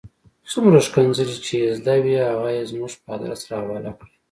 څومره ښکنځلې چې یې زده وې هغه یې زموږ په آدرس را حواله کړې.